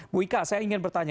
bu ika saya ingin bertanya